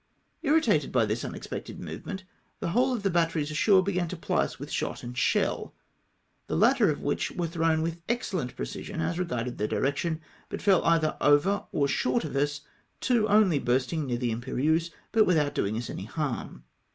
Initated by this unexpected movement, tlie whole of the batteries ashore began to ply us with shot and shell, the latter of which were thi'own with exceUent precision as regarded their direction, but fell either over or short of us, two only bursting near the Impe riease, but without doing us any harm.